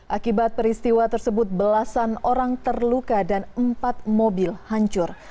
akibat peristiwa tersebut belasan orang terluka dan empat mobil hancur